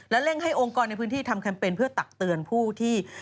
และเร่งให้องค์กรในพื้นที่ทำแคมเปญเพื่อตักเตือนผู้ที่